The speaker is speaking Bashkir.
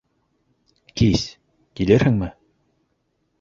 Кис... килерһеңме?